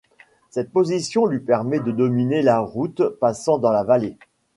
Cette position lui permet de dominer la route passant dans la vallée.